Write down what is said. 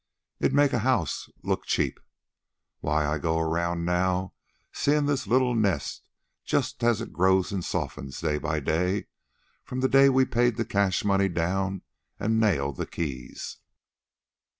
It'd make the house look cheap. Why, I go around now, seein' this little nest just as it grows an' softens, day by day, from the day we paid the cash money down an' nailed the keys.